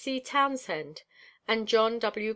C. Townsend and John W.